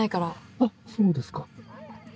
あっそうですか。